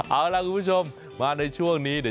เอาล่ะคุณผู้ชมมาในช่วงนี้